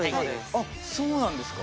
あそうなんですか。